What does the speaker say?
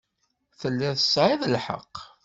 Telliḍ tesɛiḍ lḥeqq.